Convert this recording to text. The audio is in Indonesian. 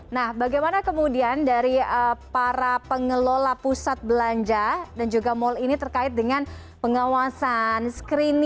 nah bagaimana kemudian dari para pengelola pusat belanja dan juga mal ini terkait dengan pengawasan screening